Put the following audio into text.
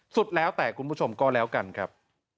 สุดแล้วแต่คุณผู้ชมก็แล้วกันครับ